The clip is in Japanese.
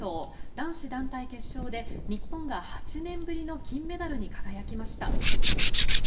男子団体決勝で日本が８年ぶりの金メダルに輝きました。